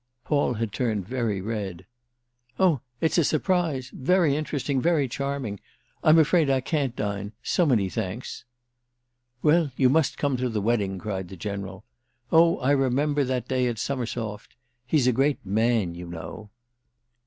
Paul had turned very red. "Oh it's a surprise—very interesting, very charming! I'm afraid I can't dine—so many thanks!" "Well, you must come to the wedding!" cried the General. "Oh I remember that day at Summersoft. He's a great man, you know."